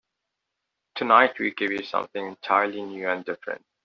Tonight we give you something entirely new and different.